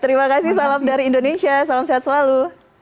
terima kasih salam dari indonesia salam sehat selalu